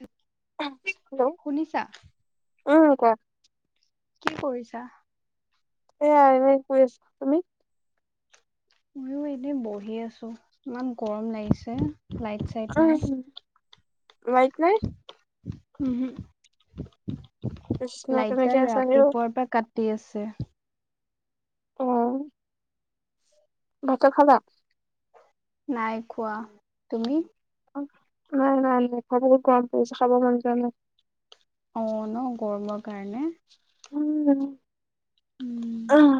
উ হেল্ল' উ ক কি কৰিছা এয়া এনে কৈ আছো তুমি ময়ো এনেই বহি আছো ইমান গৰম লাগিছে লাইট চাইট অ নাই। লাইট নাই কৃষ্ণ কেনেকে লাইটডাল আছা হেও ৰাতিপুৱাৰ পৰা কাটি আছে অ ভাতৰ খাবা নাই কোৱা তুমি নাই নাই নাই ঘাবকো গম পৰিছ খাব মন যোৱা নাই অ ন গৰমৰ কাৰণে উ উম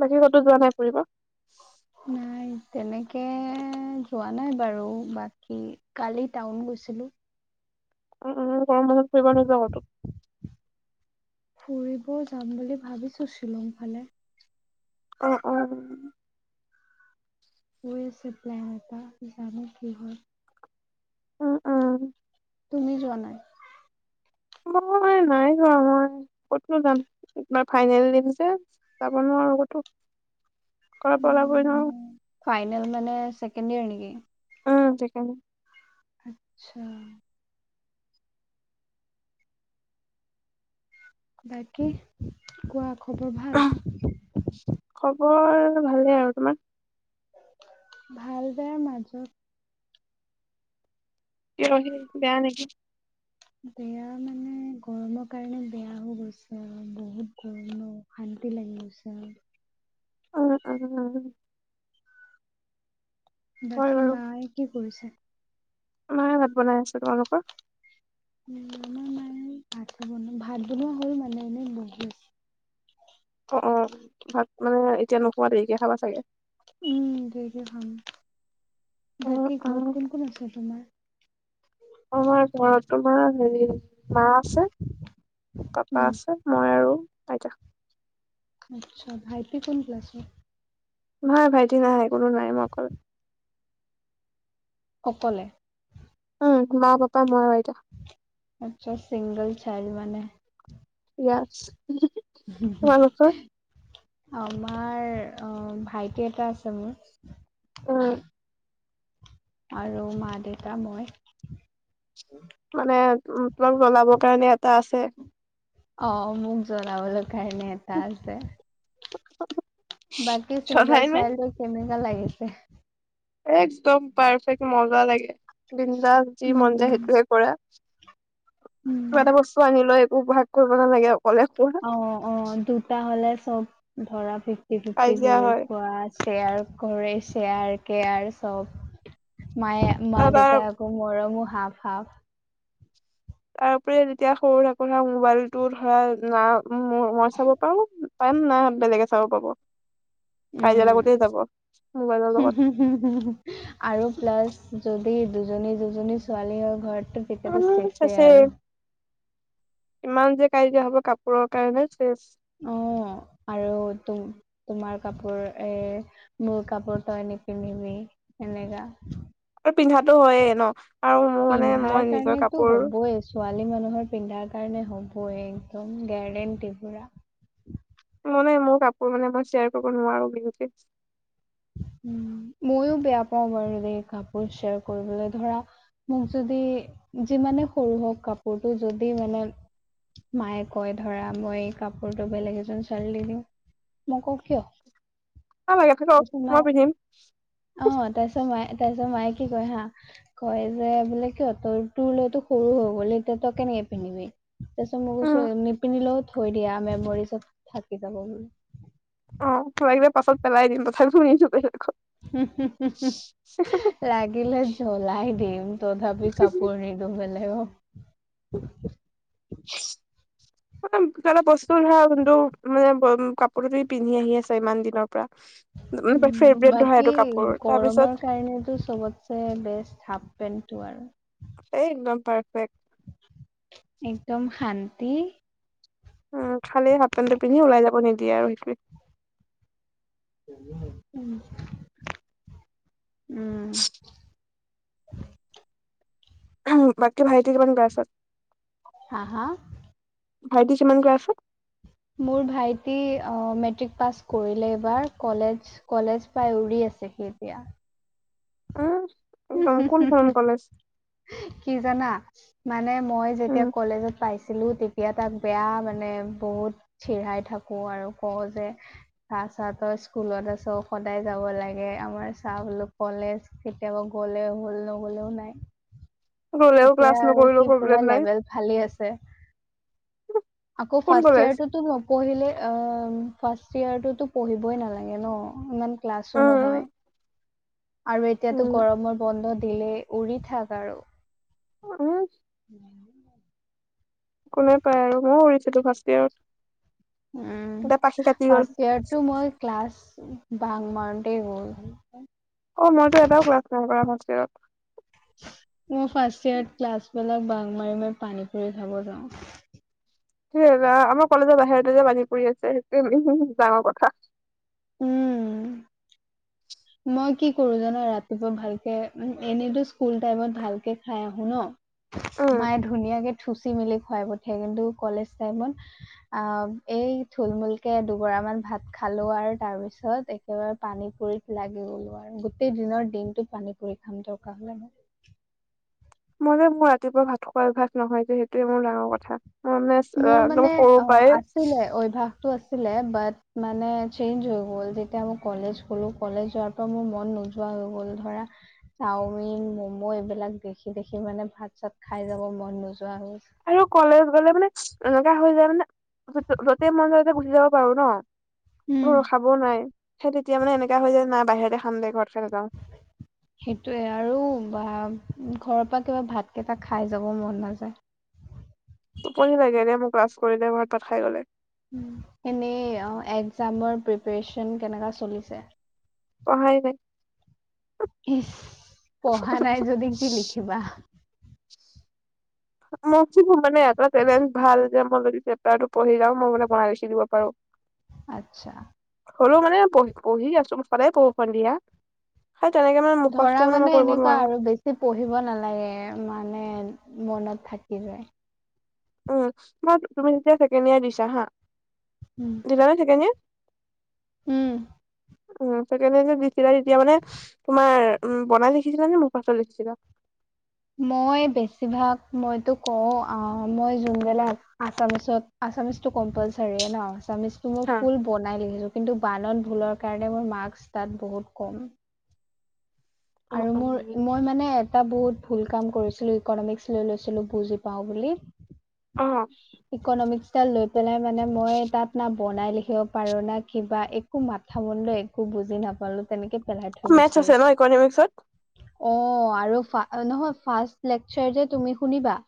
বাকী কতো যোৱা নাই ফুৰিব নাই তেনেকৈ যোৱা নাই বাৰু বাকী কালি টাউন গৈছিলোঁ উম উম গৰম মানত ফুব না যাওঁ তো [inaudible] ফুৰিব যাম বুলি ভাবিছোঁ শ্বিলং ফালে অ উ [unintelligible] চ প্লটা কি জানো কিহ [unintelligible] অ' অ'। তুমি যোৱা নাই! মই নাই ধৰা মই ক'তনো যাম, তোমাৰ ফাইনেল দিম যে। যাব নোৱাৰো ক'তো ঘৰৰ উম পৰা ওলাবই মানে নোৱাৰো। ফাইনেল মানে চছেকেণ্ড ইয়াৰ নেকি? ও' ছেকেণ্ড ইয়েৰ। আচ্ছা। বাকী কোৱা খবৰ ভাল? খবৰ ভালে আৰু তোমাৰ? ভাল বেয়া মাজত। কি লগৰ সিনি বেয়া নেকি? বেয়া মানে গৰমৰ কাৰণে বেয়া হৈ গৈছে আৰু বহুত গৰমো। শ্ত লাগউছ উম উম উম। হয় বাকী বাৰু মায়ে কি কৰিছে? মায়ে ভাত বনাই আছে। তোমালোকৰ? ভাত বনোৱা হ'ল মানে এনেই বহি আছে। অ' অ' ভাত মানে এতিয়া নোখোৱা দেৰিকে খাবা চাগে? উম দেৰিকে খাম। অ', বাকী ঘৰত অ', কোন কোন আছে তোমাৰ? আমাৰ ঘৰত তোমাৰ হেৰি মা আছে পাপা উম আছে মই আৰু আইতা। আচ্ছা, ভাইটি কোন ক্লাছত? নাই ভাইটি নাই কোনো নাই মই অকল অকলে। উম, মা পাপা মই আইতা। আচ্ছা ছিংগল চাইল্ড মানে। ইয়েছ। হম হু তোমালোকৰ? [unintelligible] আমাৰ অ' ভাইটি এটা আছে মোৰ। উম। আৰু মা দেউতা মই। মানে অলপ জ্বলাবৰ কাৰণে এটা আছে? অ' মোক জ্বলাবলৈ কাৰণে এটা আছে। বাকী ছিংগল জ্বলাই নে? চাইল্ডক কেনেকুৱা লাগিছে? একদম পাৰফেক্ট মজা লাগে বিন্দাছ যি মন যায় উম, সেইটোয়ে কৰা। উম। কিবা এটা বস্তু আনি লৈ একো ভাগ কৰিব নালাগে অকলে শুৱে। অ' অ' দুটা হ'লে চব ধৰা ফিফ্তি ফিফ্তি কাজিয়া কৰি হয়। খোৱা শ্বেয়াৰ কৰে শ্বেয়াৰ কেয়াৰ চব মায়ে মা তাৰ দেউতাক আকৌ মৰমো হাঁফ হাঁফ। তাৰপৰি তেতিয়া সৰু থাকো নহ ধৰা মোবাইলটো ধৰা না মই চাব পাৰো, কাম নাই বেলেগে চাব পাব। কাজিয়া উম লগাত এই যাব মোবাইলৰ লগত। আৰু প্লাছ যদি দুজনী দুজনী ছোৱালী হয় ঘৰত তেতিয়াতো উম চেছে চেছেই আৰু। ইমান যে কাজিয়া হ'ব কাপোৰৰ কাৰণে চেছ। অ আৰু তুমি তোমাৰ কাপোৰ এ, মোৰ কাপোৰ তই নিপিন্ধিবি সেনেকা। পিন্ধাটো হয়ে নহ। পিন্ধাৰ কাৰণেতো হ'বই। ছোৱালী মানুহৰ পিন্ধাৰ কাৰণে হ'বই, এই একদম গেৰেণ্টি পুৰা। মানে মোৰ কাপোৰ মানে মই শ্বেয়াৰ কৰিব নোৱাৰো বিশেষকৈ। উম, ময়ো বেয়া পাও বাৰু দেই। কাপোৰ শ্বেয়াৰ কৰিবলৈ ধৰা মোক যদি যিমানে সৰু হওক কাপোৰটো যদি মানে, মায়ে কয় ধৰা মই এই কাপোৰটো বেলেগ এজনি ছোৱালীক দি দিওঁ। মই কও কিয়? থাকক ঘৰতে থাকক মই পিন্ধিম। অহ, তাৰ পিছত মায়ে কি কৈ হা, কয় যে বোলে কিয়। তোৰ তাত সৰু হৈ গ'ল এতিয়া তই কেনেকে পিন্ধিবি। তাৰপিছত মই উম কও নিপিন্ধিলেও থৈ দিয়া। মেমৰি চব থাকি যাব বুলি। অহ, লাগিলে পাছত পেলাই দিম। তথাপিও নিদিওঁ বেলেগক। উম, হু, উম। লাগিলে জ্বলাই দিম, তথাপি কাপোৰ নিদো বেলেগক। হয়। মানে বস্তু উম, ধৰা কোনো মানে কাপোৰ পিন্ধি আহি আছ ইমান দিনৰ। পৰা উম, ফেভৰেট ধৰা বাকী এইটো কাপোৰ তাৰপিছত গৰমৰ কাৰণেটো ছবতে বেষ্ট হাফ পেণ্টটো আৰু। এই একদম পাৰফেক্ট। একদম শান্তি। উম, খালি হাফ পেণ্টটো পিন্ধি ওলাই যাব নিদিয়ে আৰু সেই উম, উম। উম, বাকী ভাইতি কিমান ক্লাছ ত? হা, হা? ভাইটি কিমান ক্লাছ ত? মোৰ ভাইটি মেট্ৰিক পাছ কৰিলে এইবাৰ কলেজ। কলেজ পাই উৰি আছে সি এতিয়া। উম একদম, কোন খন কলেছ? কি জানা? মানে মই উম যেতিয়া কলেজত পাইছিলো তেতিয়া তিয়া তাক বেয়া মানে বহুত চিৰাই থাকো আৰু কওঁ যে চোৱা চোৱা তই স্কুলত আছ, সদায় যাব লাগে আমাৰ চোৱা বোলো কলেজ কেতিয়াবা গ'লে হ'ল নগ'লেও নাই। গলেও ক্লাছ এতিয়া আৰু নকৰিলেও সি পুৰা প্ৰব্লেম নাই লেভেল ফালি আছে। আকৌ কোন ফাৰ্ষ্ট কলেজ ইয়েৰটোতো ন পঢ়িলে অম ফাৰ্ষ্ট ইয়েৰটোতো পঢ়িবই নালাগে ন, ইমান ক্লাছো উম নহয়। আৰু এতিয়াতো উম গৰমৰ বন্ধ দিলেই উৰি থাক আৰু। উম [inaudible] কোনে পায় আৰু ময়ো উৰিছিলো ফাৰ্ষ্ট ইয়েৰত। উম, এতিয়া পাখি কাটি গ'ল ফাৰ্ষ্ট ইয়েৰতটো মই ক্লাছ বাংক মাৰোতে গ'ল। অ, মইতো এটাও ক্লাছ নাই কৰা ফাৰ্ষ্ট ইয়েৰত। মই ফাৰ্ষ্ট ইয়েৰত ক্লাছবিলাক বাংক মাৰি মাৰি পানীপুৰি খাব যাওঁ। সেই আমাৰ কলেজৰ বাহিৰতে যে পানীপুৰি আছে সেইটোয়ে উম'হম' ডাঙৰ কথা। উম। মই কি ক'ৰো জান, ৰাতিপুৱা ভালকে মানে এনেটো স্কুল টাইমত ভালকে খাই আহো উম ন'। মায়ে ধুনীয়াকে থুচি মেলি খুৱাই পঠিয়াই কিন্তু কলেজ টাইমত আ' এই থুলমূলকে দুগৰা মান ভাত খালো আৰ তাৰ পিছত একেবাৰে পানীপুৰিত লাগি গ'লো আৰু গোটেই দিনৰ দিনতটো পানীপুৰি খাম দৰকাৰ হ'লে মই যে মোৰ ৰাতিপুৱা ভাত খোৱা অভ্যাস নহয় যে সেইটোৱে মোৰ ডাঙৰ কথা। মই মানে মোৰ একদম মানে সৰুৰ অ, পৰাই আছিলে অভ্যাসতটো আছিল লে বাত মানে চেঞ্জ হৈ গ'ল যেতিয়া মই কলেজ গ'লো কলেজোৱাৰ ত' মোৰ মন নোযোৱা হৈ গ'ল ধৰা চাওমিন, ম'ম' এইবিলাক দেখি দেখি মানে ভাত-চাত খাই যাব মন নোযোৱা হ'ল। আৰু কলেজ গ'লে মানে এনেকা হৈ যায় মানে, য'তে মন যায় ততে গুচি যাব পাৰো ন' উম, খাবও নোৱাৰে সেই তেতিয়া মানে এনেকা হয় যে নাই বাহিৰতে খাম দে ঘৰত খাই নাযাওঁ। সেইটোৱে আৰু বা ঘৰৰ পা কিবা ভাত কেইটা খাই যাব মন নাযায়। টোপনি লাগে ৰে মোক ক্লাছ কৰিলে ভাত-তাত খাই গলে। এনেই অ' একজামৰ প্ৰিপৰেচন কেনেকা চলিছে? পঢ়াই নাই। ইচ্ পঢ়া নাই যদি কি লিখিবা? মই কি মানে [unintelligible] ভাল যে মই যদি চেপ্তাৰটো পঢ়ি যাও মই মানে বনাই লিখি দিব পাৰো [inaudible] আচ্ছা। সৰু মানে পহ পহি আছোঁ সদায় পঢ়ো সন্ধিয়া। সেই তেনেকে মানে ধৰা মুখস্থ মানে মই কৰিব এনেকুৱা নোৱাৰো। আৰু বেছি পঢ়িব নালাগে মানে মনত থাকি যায়। উম, তোমাত তুমি যেতিয়া ছেকেণ্ড ইয়েৰ দিছা হা উম, দিলা নে ছেকেণ্ড ইয়েৰ? হম, ছেকেণ্ড ইয়েৰ যে দিছিলা তেতিয়া মানে তোমাৰ উম, বনাই লিখিছিলা নে মুখস্ত লিখিছিলা? মই বেছিভাগ মইতো কওঁ আহ, মই যোনবিলাক আছামিছত আছামিছটো কম্পালচাৰিয়ে ন' আছামিছটো মই হা। ফুল বনাই লিখিছো কিন্তু বানান ভুলৰ কাৰণে মোৰ মাৰ্কছ তাত বহুত কম। অ', আৰু অ'। মোৰ মই মানে এটা বহুত ভুল কাম কৰিছিলো ইকনমিক্স লৈ লৈছিলো বুজি পাওঁ বুলি। অ' ইকনমিক্সডাল পেলাই মানে মই তাত না বনাই লিখিব পাৰো না কিবা একো মাথা মুণ্ড একো বুজি নাপালো। তেনেকে পেলহাই মেথছ আছে ন' ইকনমিক্সত? অ' আৰু ফা নহয় ফাৰ্ষ্ট লেকচাৰ যে তুমি শুনিবা?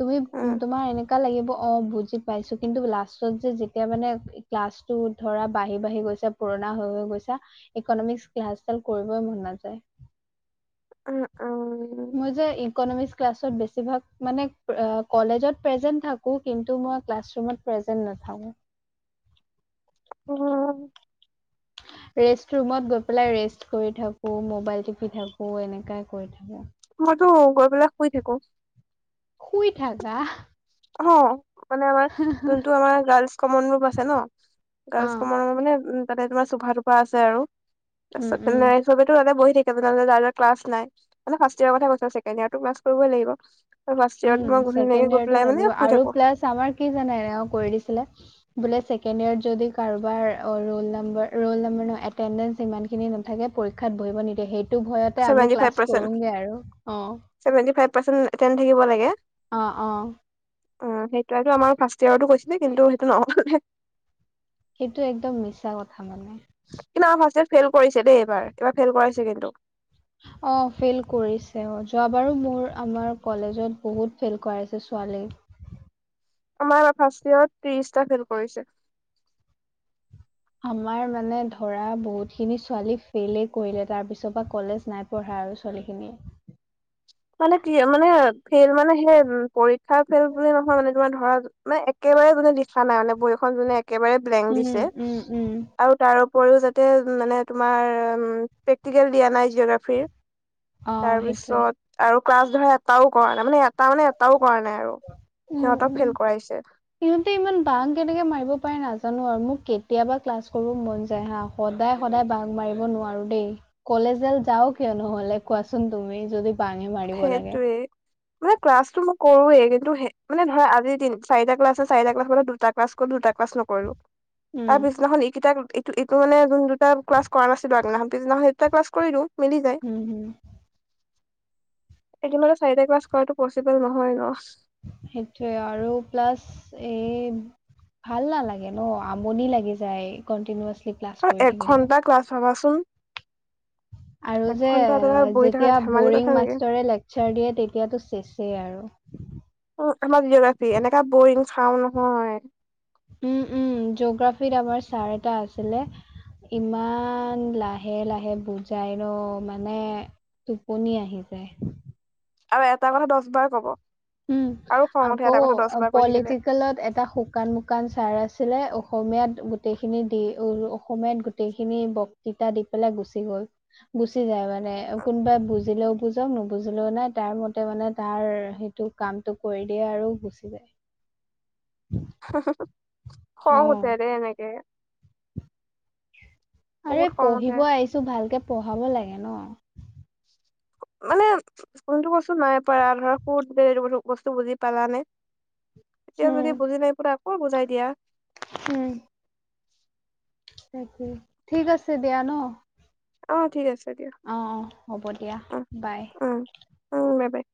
তুমি উম, তোমাৰ এনেকা লাগিব অহ, বুজি পাইছো কিন্তু লাষ্টত যে যেতিয়া মানে ক্লাছটো ধৰা বাঢ়ি বাঢ়ি গৈছে পুৰণা হৈ হৈ গৈছা ইকনমিক্স ক্লাছ ডাল কৰিবই মন নাযায়। উহ, উম, মই যে ইকনমিক্স ক্লাছত বেছিভাগ মানে কলেজত প্ৰেজেন্ট থাকো কিন্তু মই ক্লাছৰুমত প্ৰেজেন্ট নাথাকো। অহ, ৰেষ্ট ৰুমত গৈ পেলাই ৰেষ্ট কৰি থাকো মবাইল টিপি থাকো এনেকাই কৰি থাকো। মইতো গৈ পেলাই শুই থাকো। শুই থাকা অহ, মানে আমাৰ যোনটো আমাৰ গাৰ্লচ কমন ৰূপ আছে ন গাৰ্লচ অ', কমন ৰ মানে উ তা তোমাৰ চোফা তোফা আছে আৰু উম তাৰপিছত উম তেনে সবো তাতে বহি থাকে তে য ক্লাছ নাই মান ফাৰ্ষ্ ইয়াৰৰ কৈছছেকেণ্ড ইয়াৰটো পা কৰিবইাগিব ত উম মই গ ছেকেণ্ড ঘূনীয়াকে গৈ ইয়েৰটো পেলাই লাগিব মানে শুই আৰু থাকো প্লাছ আমাৰ কি জানে এনে কৰি দিছিলে বোলে ছেকেণ্ড ইয়াৰত যদি কাৰোবাৰ ৰোল নম্ব ৰল নম্ব নটেডে ই খিনি নাথাকে পৰীক্ষাত বহিব নিদিয়ে সেইটো ভয়তে আমি ক্লাছ কৰোগে আৰু অ ভেট ফ থাক লাগে অ', অ' অ' সেইটয়টো আমাৰ ফাৰ্ষ্ট ইয়েৰতো কৈছিলে কিন্তু সেইটো নহলে। সেইটো একদম মিছা কথা মানে। কিন্তু আমাৰ ফাষ্ঠয়াৰত ফেইল কৰিছে দেই এইবাৰ এইবাৰ ফেইল কৰাইছে কিন্তু। অ' ফেইল কৰিছে অ' যোৱ বাৰো মোৰ আমাৰ কলেজত বহুত ফেইল কৰাইছে ছোৱালীক। আমাৰ ফাৰ্ষ্ট ইয়েৰত ত্ৰিশটা খেল কৰিছে। আমাৰ মানে ধৰা বহুত খিনি ছোৱালী ফেইলে কৰিলে তাৰ পিছৰ বা কলেজ নাই পঢ়া আৰু ছোৱালীখিনিয়ে। মানে কি মানে ফেইল মানে সেই পৰীক্ষা ফেইল বুলি নহয় মানে তোমাৰ ধৰা মানে একেবাৰে কোনে লিখা নাই মানে বৈখন যোনে একেবাৰে ব্লেংক উম, দিছে উম, উম। আৰু তাৰ উপও যাতে মানে তোমাৰ প্ৰেক্টিকেল দিয়া নাই জিঅগ্ৰাফিৰ তাৰ অ' সেইটোৱে। পিছত আৰু ক্লাছ ধৰা এটাও কৰা নাই মানে এ তাৰ মানে এটাও কৰা নাই আৰু উম, সিহঁতক উম। ফেল কৰাইছে। সিহঁতে ইমান বাং কেনেকে মাৰিব পাৰে নাজানো আৰু মোক কেতিয়াবা ক্লাছ কৰিব মন যায় হা সদায় সদায় বাঘ মাৰিব নোৱাৰোঁ দেই। কলেজাল যাও কিয় নহলে কোৱাচোন তুমি যদি বাঙে মাৰিব লাগে। সেইটোৱেই। মানে ক্লাছটো মই কৰোৱে কিন্তু মানে ধৰা আজিৰ দিন চাৰিটা ক্লাছছে চাৰিটা ক্লাছ মানে দুটা ক্লাছ কৰো দুটা ক্লাছ নকৰো উম। তাৰ পিছদিনাখন এইকেইটা এইটো মানে যোন দুটা ক্লাছ কৰা নাছিলো আগদিনা্ তিদিনা সেই দুটা ক্লাছ কৰি দিওঁ মিলি যায়। উম, হুম। এদমতে চাৰিটা ক্লাছ কৰা পচিবল নহয় ন। সেইটোৱে আৰু প্লাছ এই ভাল নালাগে ন আমনি লাগি যায়। কণ্টিনালি ক্লাছ অ' কৰি এক থাকিলে। ঘন্টা ক্লাছ ভাবাচোন। আৰু যে এঘন্টা এটা জেগাত বহি থকা যেতিয়া ধেমালি কথা বৰিং নেকি মাষ্টৰে লেকচাৰ দিয়ে তেতিয়াাতটো চেছে আৰু। অ' উ আমাৰ জিঅগ্ৰাফি এনেককা বৰিং খাও নহয়। উম, উম, জিঅগ্ৰাফীত আমাৰ ছাৰ এটা আছিলে ইমান লাহে লাহে বুজাই ৰ মানে টোপনি আহি যায়। আৰু এটা কথা দহ বাৰ ক'ব। উম, আৰু খং উঠে আকৌ এটা কথা দহ বাৰ কৈ থাকিলে পলিটিকেলত এটা শুকান মু দোকান চাৰ আছিলে অসমীয়াত গোটেইখিনি দি উ অসমীয়াত গোটেইখিনি বক্তৃতা দি পেলাই গুচি গ'ল গুচি যায়। মানে কোনোবাই বুজিলেও বুজক নুবুজিলেও নাই তাৰ মতে মানে তাৰ তটো কাম টো কৰি দিয়ে আৰু গুচি যায়। উ। খং উঠে দে এনেকে। আৰে বহুত খং উঠে পঢ়িব আহিছো ভালকে পঢ়াব লাগে ন। মানে কোনটো বস্তু নাই পাৰা ধৰ সুুৰ এই বস্তু বুজি পালানে। এতিয়াও উম যদি বুজি নাই পুৰা আকৌ বুজাই দিয়া। উম। তাকে ঠিক আছে দিয়া ন'। অ', ঠিক আছে দিয়ক অ অ হ'ব দিয়া অ', বাই। অ', অ', বাই বাই।